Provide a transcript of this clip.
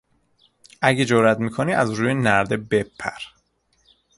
اگر جرات میکنی از روی نرده بپر!